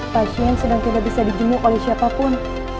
pasien sedang tidak bisa dijenguk oleh siapapun